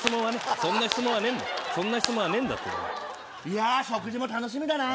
そんな質問はねえんだそんな質問はねえんだっていや食事も楽しみだなあ